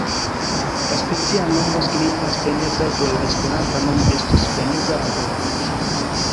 La specia nomo signifas freneza, do la esperanta nomo estus freneza aveno.